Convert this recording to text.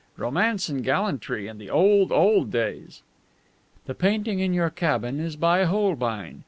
Romance and gallantry in the old, old days! "The painting in your cabin is by Holbein.